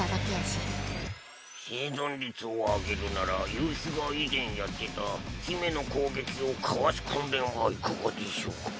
生存率を上げるなら夕日が以前やってた姫の攻撃をかわす訓練はいかがでしょうか？